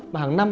mà hàng năm